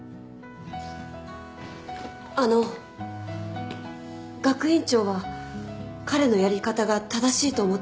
あの学院長は彼のやり方が正しいと思っているんですか？